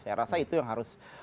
saya rasa itu yang harus